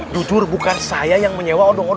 jujur bukan saya yang menyewa odong odong ini ya